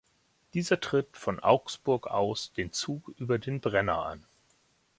Dieser tritt von Augsburg aus den Zug über den Brenner an.